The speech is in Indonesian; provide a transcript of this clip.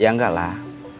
ya enggak lah